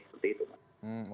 seperti itu mas